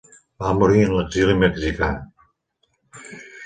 Va morir en l'exili mexicà.